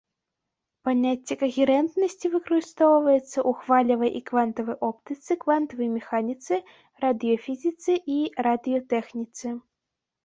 Паняцце кагерэнтнасці выкарыстоўваецца ў хвалевай і квантавай оптыцы, квантавай механіцы, радыёфізіцы і радыётэхніцы.